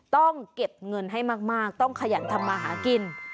ต้องเก็บเงินให้มากต้องขยันทำมาหากิน